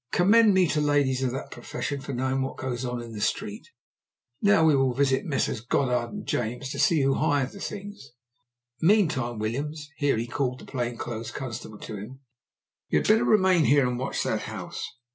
Commend me to ladies of that profession for knowing what goes on in the street. Now we will visit Messrs. Goddard & James and see who hired the things. Meantime, Williams," (here he called the plain clothes constable to him), "you had better remain here and watch that house.